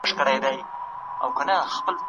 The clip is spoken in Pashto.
زه د وټساپ ټول فعالیتونه څارم.